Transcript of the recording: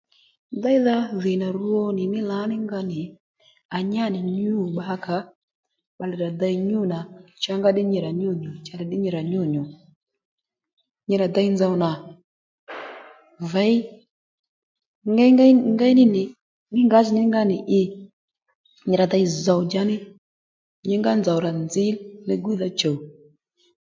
Déydha dhì nà rwo nì mí lǎní nga nì à nyá nì nyû bba ka ó bbalè rà dey nyû nà changá ddí nyi rà nyû nyù chalè ddí nyi rà nyû nyu nyi rà dey nzòw nà věy ngéyngéy ngéy ní nì mí ngǎjì ní nga nì i nyi ra dey zòw dja ní nyíngá nzòw rà nzǐ ligwídha chùw